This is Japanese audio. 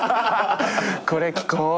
これ聞こう。